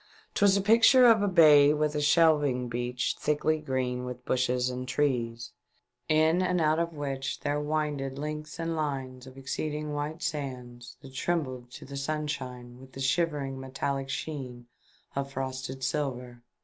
'Twas a picture of a bay with a shelving beach thickly green with bushes and trees, in and out of which there winded lengths and lines of exceeding white sand that trembled to the sunshine with the shivering metallic sheen of frosted silver.